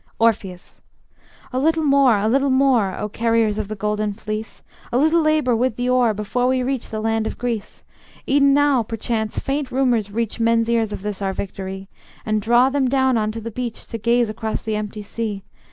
Orpheus: A little more, a little more, O carriers of the Golden Fleece, A little labor with the oar, Before we reach the land of Greece. E'en now perchance faint rumors reach Men's ears of this our victory, And draw them down unto the beach To gaze across the empty sea.